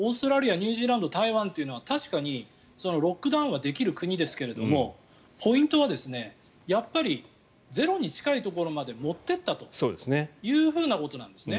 ニュージーランド台湾というのは確かにロックダウンはできる国ですけれどポイントはやっぱりゼロに近いところまで持っていったということなんですね。